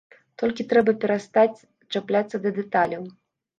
Толькі трэба перастаць чапляцца да дэталяў.